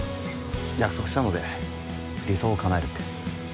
約束したので理想を叶えるって。